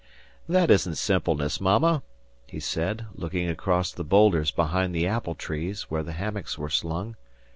"That isn't simpleness, Mama," he said, looking across the boulders behind the apple trees where the hammocks were slung.